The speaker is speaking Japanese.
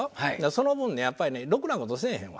その分ねやっぱりねろくな事せえへんわ。